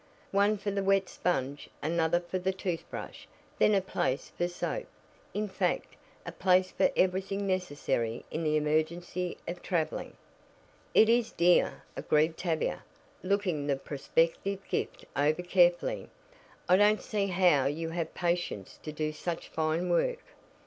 One for the wet sponge, another for the toothbrush, then a place for soap; in fact, a place for everything necessary in the emergency of traveling. "It is dear," agreed Tavia, looking the prospective gift over carefully. "I don't see how you have patience to do such fine work."